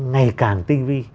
ngày càng tinh vi